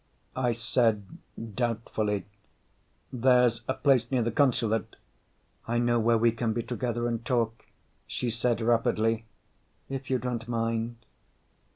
I said doubtfully, "There's a place near the Consulate...." "I know where we can be together and talk," she said rapidly. "If you don't mind."